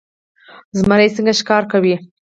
زمری څنګه ښکار کوي؟